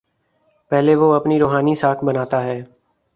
پہلے وہ اپنی روحانی ساکھ بناتا ہے۔